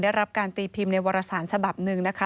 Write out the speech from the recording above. ได้รับการตีพิมพ์ในวรสารฉบับหนึ่งนะคะ